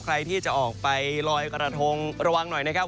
ใครที่จะออกไปลอยกระทงระวังหน่อยนะครับ